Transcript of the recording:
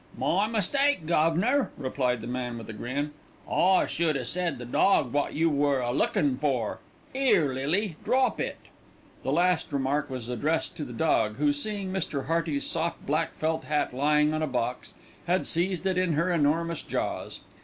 "My mistake, guv'nor," replied the man with a grin; "I should 'a said the dawg wot you're a lookin' for. 'Ere, Lily, drop it." This last remark was addressed to the dog, who, seeing Mr. Hearty's soft black felt hat lying on a box, had seized it in her enormous jaws.